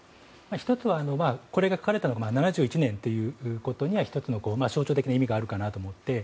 １つは、これが描かれたのは７１年ということには１つの象徴的な意味があるかなと思って。